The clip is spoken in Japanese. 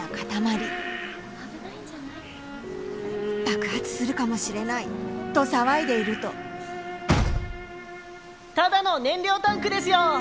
「爆発するかもしれない」と騒いでいるとただの燃料タンクですよ。